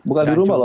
bukan di rumah loh